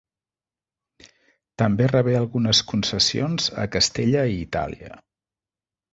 També rebé algunes concessions a Castella i Itàlia.